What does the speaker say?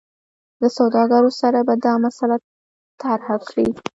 له سوداګرو سره به دا مسله طرحه کړي.